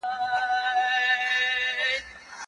تاسي د اور د حفاظت او خلاصون نه د ځان لپاره ډال تيار کړئ